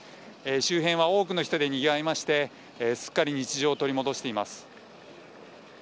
周辺は多くの人でにぎわいましてすっかり日常を取り戻しています。